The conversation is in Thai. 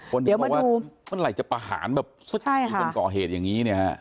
คนเดี๋ยวมาดูเมื่อไหร่จะประหารแบบใช่ค่ะเป็นก่อเหตุอย่างงี้นี่ค่ะ